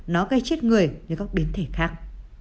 nó gây chết người như các biến thể khác